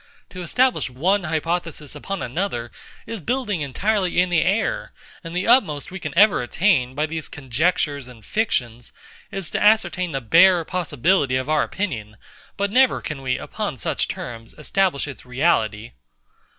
To establish one hypothesis upon another, is building entirely in the air; and the utmost we ever attain, by these conjectures and fictions, is to ascertain the bare possibility of our opinion; but never can we, upon such terms, establish its reality.